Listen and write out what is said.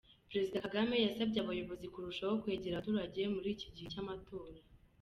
Perezida Kagame yasabye abayobozi kurushaho kwegera abaturage muri iki gihe cy'amatora.